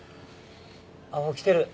あっもう来てる。